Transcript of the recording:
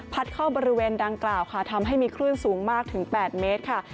เข้าบริเวณดังกล่าวค่ะทำให้มีคลื่นสูงมากถึง๘เมตรค่ะ